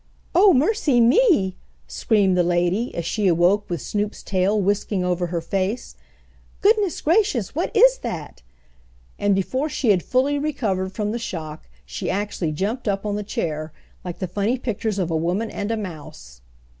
"Oh, mercy me!" screamed the lady, as she awoke with Snoop's tail whisking over her face. "Goodness, gracious! what is that?" and before she had fully recovered from the shock she actually jumped up on the chair, like the funny pictures of a woman and a mouse.